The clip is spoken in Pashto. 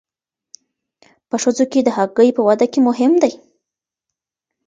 په ښځو کې د هګۍ په وده کې مهم دی.